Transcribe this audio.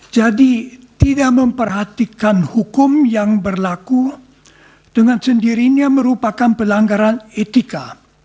jadi tidak memperhatikan hukum yang berlaku dengan sendirinya merupakan pelanggaran etika